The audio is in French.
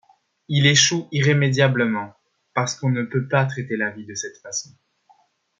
Il échoue irrémédiablement, parce qu’on ne peut pas traiter la vie de cette façon.